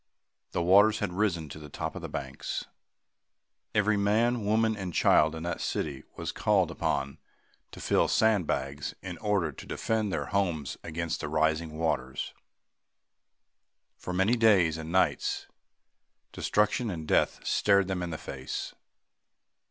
The waters had risen to the top of the banks. Every man, woman and child in that city was called upon to fill sand bags in order to defend their homes against the rising waters. For many days and nights, destruction and death stared them in the face.